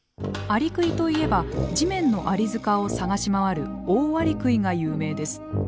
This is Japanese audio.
アリクイといえば地面のアリ塚を探し回るオオアリクイが有名です。